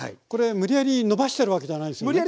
無理やり伸ばしてるわけじゃない。